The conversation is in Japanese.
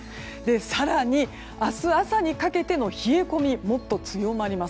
更に、明日朝にかけての冷え込みもっと強まります。